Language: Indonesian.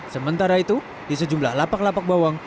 sementara itu di sejumlah lapak lapak bawang